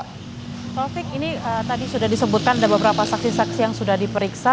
taufik ini tadi sudah disebutkan ada beberapa saksi saksi yang sudah diperiksa